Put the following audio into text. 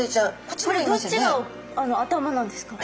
これどっちが頭なんですか？